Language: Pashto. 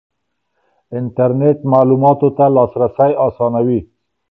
انټرنېټ معلوماتو ته لاسرسی اسانوي.